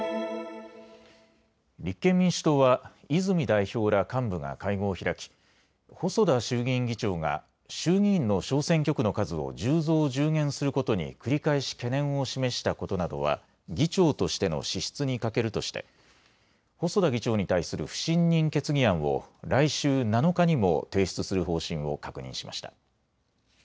立憲民主党は泉代表ら幹部が会合を開き細田衆議院議長が衆議院の小選挙区の数を１０増１０減することに繰り返し懸念を示したことなどは議長としての資質に欠けるとして細田議長に対する不信任決議案を来週７日にも提出する方針を確認しました。